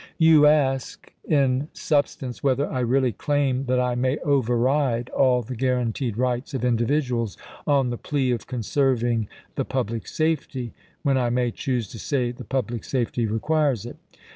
Jli863?9' ^ou ask> in substance, whether I really claim that I may override all the guaranteed rights of individuals on the plea of conserving the public safety — when I may choose to say the public safety requires it.